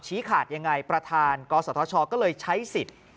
ขาดยังไงประธานกศธชก็เลยใช้สิทธิ์